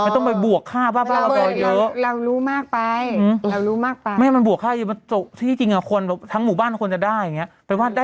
ตอนนี้ใส่แม็กซ์นี้ไม่ได้ห่วงโควิดอย่างเดียวแล้วนะ